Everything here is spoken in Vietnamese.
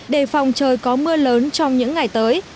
đề phòng trời có mưa lớn trong những ngày tới